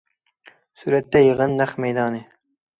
سۈرەتتە: يىغىن نەق مەيدانى.